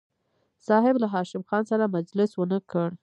صاحب له هاشم خان سره مجلس ونه کړ.